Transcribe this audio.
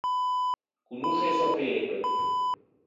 Conosce e sò pegoe.